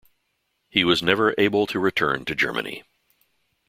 He was never able to return to Germany.